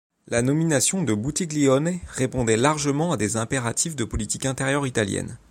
La nomination de Buttiglione répondait largement à des impératifs de politique intérieure italienne.